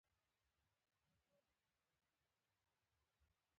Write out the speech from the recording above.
د زړه سوری ساري ناروغي نه ده.